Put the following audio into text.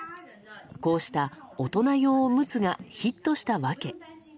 こうした大人用おむつがヒットした訳。